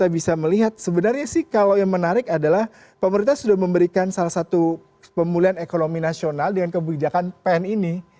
kita bisa melihat sebenarnya sih kalau yang menarik adalah pemerintah sudah memberikan salah satu pemulihan ekonomi nasional dengan kebijakan pen ini